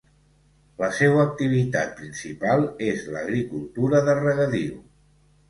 La seua activitat principal és l'agricultura de regadiu.